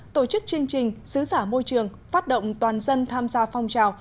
tổ chức chương trình sứ giả môi trường phát động toàn dân tham gia phong trào